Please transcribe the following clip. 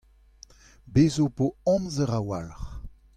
Bez' ho po amzer a-walc'h.